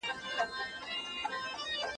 افغان کډوال د لوړو زده کړو پوره حق نه لري.